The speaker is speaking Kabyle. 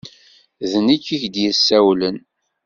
D nekk i k-d-yessawlen.